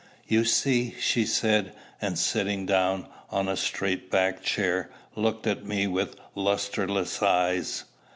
"You see," she said, and sitting down, on a straight backed chair, looked at me with lustreless eyes.